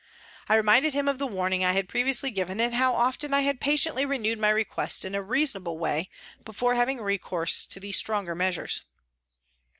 I reminded him of the warning I had previously given and how often I had patiently renewed my request in a reasonable way before having recourse to these stronger measures.